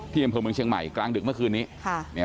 ที่อำเภอเมืองเชียงใหม่กลางดึกเมื่อคืนนี้